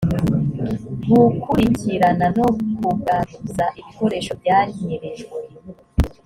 gukurikirana no kugaruza ibikoresho byanyerejwe